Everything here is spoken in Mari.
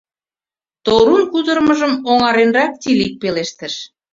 — Торун кутырымыжым оҥаренрак Тиилик пелештыш.